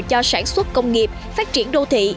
cho sản xuất công nghiệp phát triển đô thị